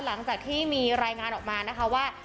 หลังจากที่มีรายงานออกมานะคะว่า